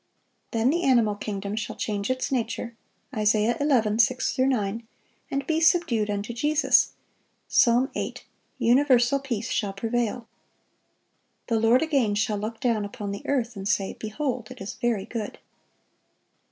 Then the animal kingdom shall change its nature (Isa. 11:6 9), and be subdued unto Jesus. Psalm 8. Universal peace shall prevail."(596) "The Lord again shall look down upon the earth, and say, 'Behold, it is very good.